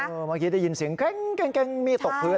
เมื่อกี้ได้ยินเสียงเกร็งมีดตกพื้น